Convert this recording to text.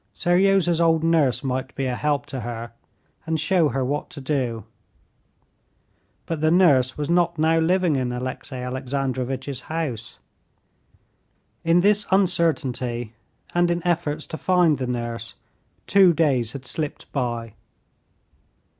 Seryozha's old nurse might be a help to her and show her what to do. But the nurse was not now living in Alexey Alexandrovitch's house. In this uncertainty, and in efforts to find the nurse, two days had slipped by.